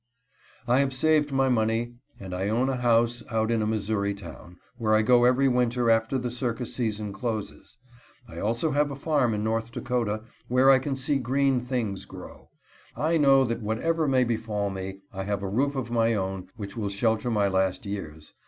_" I have saved my money, and I own a house out in a Missouri town, where I go every winter after the circus season closes. I also have a farm in North Dakota, where I can see green things grow. I know that whatever may befall me I have a roof of my own which will shelter my last years.